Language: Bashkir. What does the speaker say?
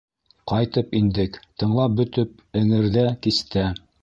Ҡайтып индек, тыңлап бөтөп Эңерҙә, кистә.